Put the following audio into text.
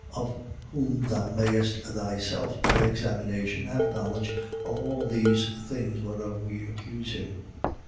Of whom thou mayest thyself, by examination, have knowledge of all these things whereof we accuse him.